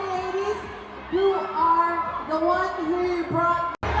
ขอบคุณมากสวัสดีครับ